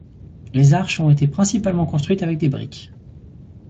Les arches ont été principalement construites avec des briques.